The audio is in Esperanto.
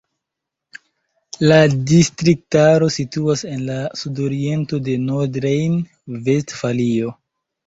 La distriktaro situas en la sudoriento de Nordrejn-Vestfalio.